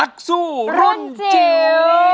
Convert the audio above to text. รุ่นจิ๋ว